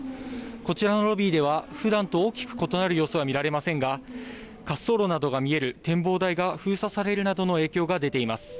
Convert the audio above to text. こちらのロビーではふだんと大きく異なる様子は見られませんが滑走路などが見える展望台が封鎖されるなどの影響が出ています。